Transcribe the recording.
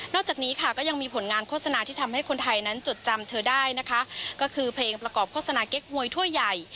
จากนี้ค่ะก็ยังมีผลงานโฆษณาที่ทำให้คนไทยนั้นจดจำเธอได้นะคะก็คือเพลงประกอบโฆษณาเก๊กมวยถ้วยใหญ่